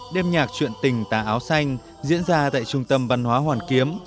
đêm nhạc chuyện tình tà áo xanh diễn ra tại trung tâm văn hóa hoàn kiếm